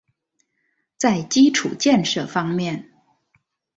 在基础建设方面